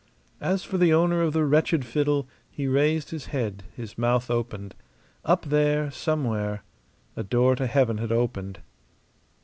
As for the owner of the wretched fiddle, he raised his head, his mouth opened. Up there, somewhere, a door to heaven had opened.